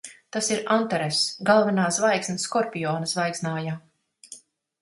Tas ir Antaress. Galvenā zvaigzne Skorpiona zvaigznājā.